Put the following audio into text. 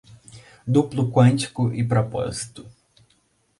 Duplo quântico e propósito